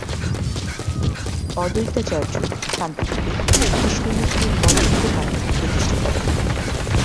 অদ্বৈতাচার্য শান্তিপুরে কৃষ্ণমূর্তি ‘মদনগোপাল’ প্রতিষ্ঠা করেন।